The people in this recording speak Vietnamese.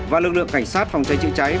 và lực lượng cảnh sát phòng cháy chữa cháy